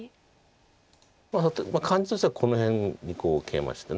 感じとしてはこの辺にケイマして。